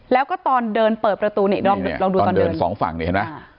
แล้วก็ตอนเดินเปิดประตูนี่ลองดูตอนเดินสองฝั่งนี่เห็นไหม